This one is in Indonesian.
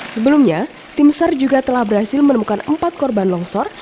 sebelumnya timsar juga telah berhasil menemukan empat korban longsor